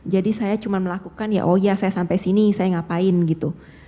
jadi saya cuma melakukan ya oh iya saya sampai sini saya ngapain gitu